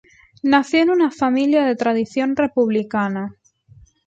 Nació en una familia de tradición republicana.